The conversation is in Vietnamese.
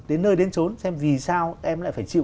đến nơi đến trốn xem vì sao em lại phải chịu